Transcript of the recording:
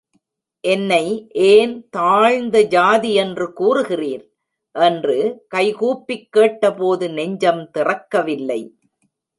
என்னை ஏன் தாழ்ந்த ஜாதி என்று கூறுகிறீர்? என்று கைகூப்பிக் கேட்டபோது, நெஞ்சம் திறக்கவில்லை!